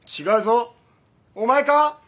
違うぞお前か？